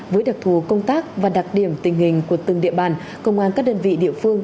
với đặc thù công tác và đặc điểm tình hình của từng địa bàn công an các đơn vị địa phương